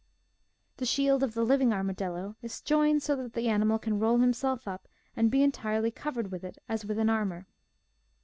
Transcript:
The shield of the living armadillo is jointed so that the animal can roll "himself up and be entirely covered with it as with an armor.